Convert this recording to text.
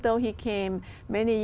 chúng tôi đồng ý